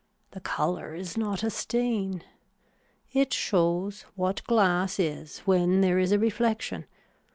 The color is not a stain. It shows what glass is when there is a reflection.